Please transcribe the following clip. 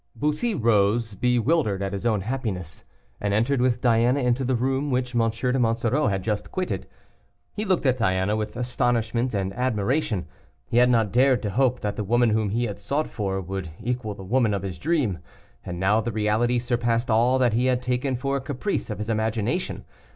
Bussy rose, bewildered at his own happiness, and entered with Diana into the room which M. de Monsoreau had just quitted. He looked at Diana with astonishment and admiration; he had not dared to hope that the woman whom he had sought for, would equal the woman of his dream, and now the reality surpassed all that he had taken for a caprice of his imagination.